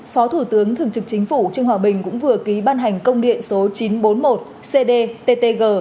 phó thủ tướng thường trực chính phủ trương hòa bình cũng vừa ký ban hành công điện số chín trăm bốn mươi một cdttg